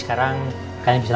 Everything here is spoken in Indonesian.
apa yang kau inginkan